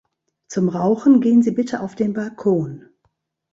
Zum Rauchen gehen Sie bitte auf den Balkon!